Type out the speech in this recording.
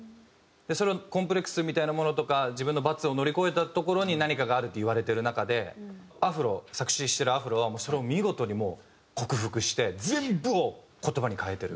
それをコンプレックスみたいなものとか自分の罰を乗り越えたところに何かがあるっていわれてる中でアフロ作詞してるアフロはそれを見事にもう克服して全部を言葉に変えてる。